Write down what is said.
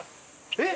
えっ？